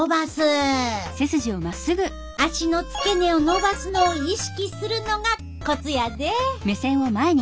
足の付け根をのばすのを意識するのがコツやで。